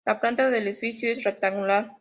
La planta del edificio es rectangular.